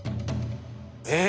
え！